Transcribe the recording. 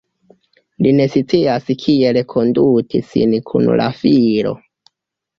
Li ne scias kiel konduti sin kun la filo.